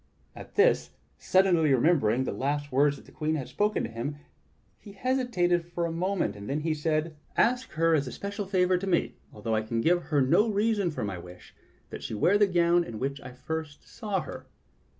At this, suddenly remembering the last words that the Queen had spoken to him, he hesitated for a moment, then he said: "Ask her as a special favor to me, although I can give her no reason for my wish, that she wear the gown in which I first saw her."